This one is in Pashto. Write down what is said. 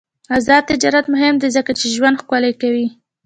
آزاد تجارت مهم دی ځکه چې ژوند ښکلی کوي.